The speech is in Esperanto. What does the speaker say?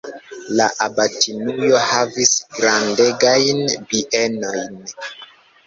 La abatinujo havis grandegajn bienojn.